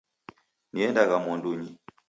Niendagha mwandunyi.